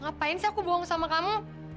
ngapain sih aku buang sama kamu